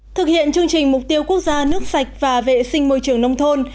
thực hiện chương trình mục tiêu quốc gia nước sạch và vệ sinh môi trường nông thôn